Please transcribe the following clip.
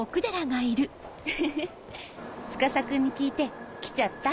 フフフッ司くんに聞いて来ちゃった。